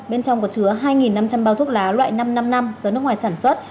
bên trong có chứa hai năm trăm linh bao thuốc lá loại năm trăm năm mươi năm do nước ngoài sản xuất